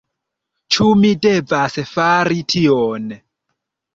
Ĉu mi devas fari tion?